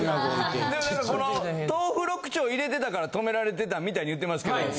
何か豆腐６丁入れてたから止められてたみたいに言ってますけど。